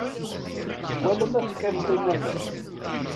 Wala ma teqqimeḍ iman-ik.